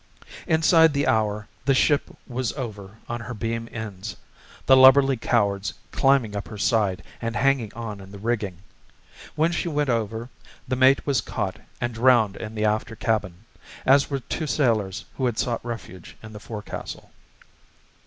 Inside the hour the ship was over on her beam ends, the lubberly cowards climbing up her side and hanging on in the rigging. When she went over, the mate was caught and drowned in the after cabin, as were two sailors who had sought refuge in the forecastle.